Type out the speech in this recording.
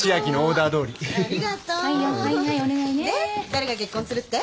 誰が結婚するって？